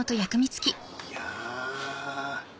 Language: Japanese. いや。